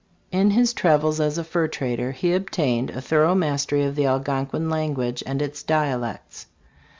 In his travels as a fur trader he obtained a thorough mastery of the Algonquin language and its dialects.